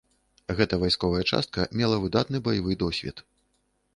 Гэтая вайсковая частка мела выдатны баявы досвед.